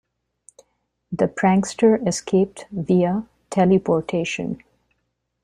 The Prankster escaped via teleportation.